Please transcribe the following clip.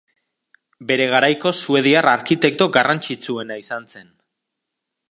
Bere garaiko suediar arkitekto garrantzitsuena izan zen.